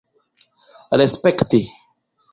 respekti